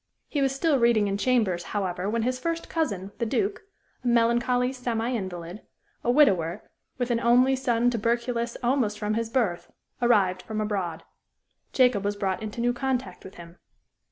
He was still reading in chambers, however, when his first cousin, the Duke, a melancholy semi invalid, a widower, with an only son tuberculous almost from his birth, arrived from abroad. Jacob was brought into new contact with him.